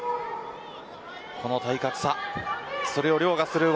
この体格差